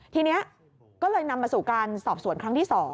ทีนี้ก็เลยนำมาสู่การสอบสวนครั้งที่๒